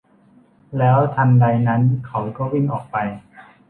แล้วทันใดนั้นเขาก็วิ่งออกไป